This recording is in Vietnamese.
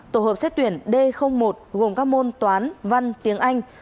tổ hợp xét tuyển d một gồm các môn toán văn tiếng anh